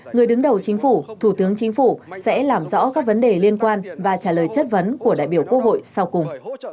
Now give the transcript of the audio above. người đứng đầu chính phủ thủ tướng chính phủ sẽ làm rõ các vấn đề liên quan và trả lời chất vấn của đại biểu quốc hội sau cùng